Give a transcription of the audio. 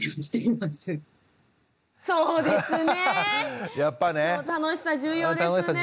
まだそうですね。